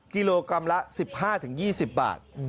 กิโลกรัมละ๑๕๒๐บาท